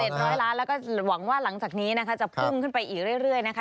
ร้อยล้านแล้วก็หวังว่าหลังจากนี้นะคะจะพุ่งขึ้นไปอีกเรื่อยนะคะ